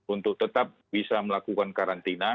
untuk tetap bisa melakukan karantina